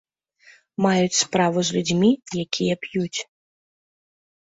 Маюць справу з людзьмі, якія п'юць.